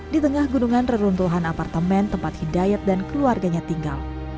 di tengah gunungan reruntuhan apartemen tempat hidayat dan keluarganya tinggal